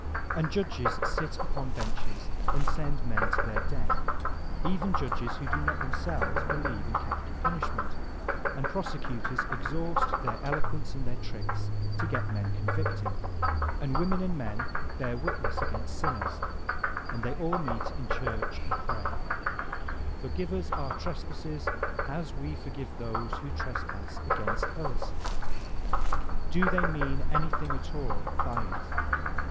And judges sit upon benches and send men to their death, — even judges who do not themselves believe in capital punishment ; and prosecutors exhaust their eloquence and their tricks to get men convicted; and women and men bear witness against sinners; and then they all meet in church and pray, ''Forgive us our trespasses of we for give those who trespass against us !'' Do they mean anything at all by it